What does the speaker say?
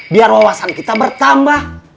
biar wawasan kita bertambah